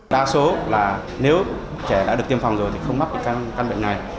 đa số là nếu trẻ đã được tiêm phòng rồi thì không mắc những căn bệnh này